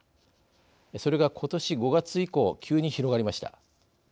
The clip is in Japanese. それが、ことし５月以降急に広がりました。